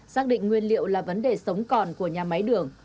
xác định nguyên liệu là vấn đề sống còn của nhà máy đường